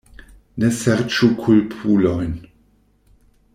Ne serĉu kulpulojn.